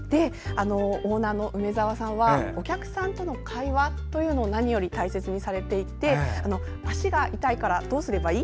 オーナーの梅澤さんはお客さんとの会話を何より大切にされていて足が痛いからどうすればいい？